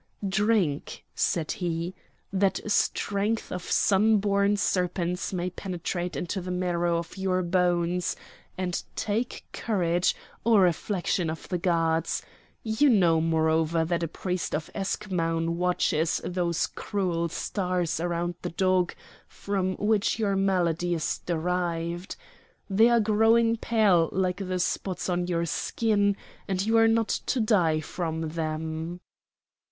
"Drink!" said he, "that strength of sun born serpents may penetrate into the marrow of your bones, and take courage, O reflection of the gods! You know, moreover, that a priest of Eschmoun watches those cruel stars round the Dog from which your malady is derived. They are growing pale like the spots on your skin, and you are not to die from them."